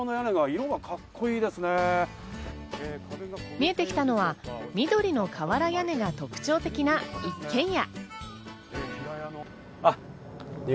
見えてきたのは緑のかわら屋根が特徴的な一軒家。